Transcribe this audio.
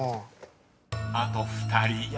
［あと２人。